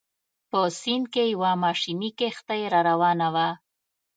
په سیند کې یوه ماشیني کښتۍ راروانه وه.